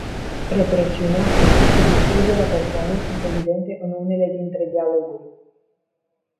Represiunea, frica și distrugerea persoanei sunt evidente în unele dintre dialoguri.